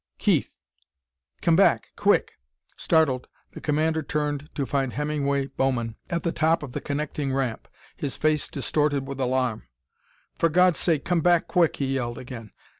"Keith! Come back, quick!" Startled, the commander turned to find Hemingway Bowman at the top of the connecting ramp, his face distorted with alarm. "For God's sake, come back quick!" he yelled again.